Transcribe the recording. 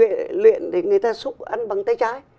thì bây giờ phải luyện để người ta xúc ăn bằng tay trái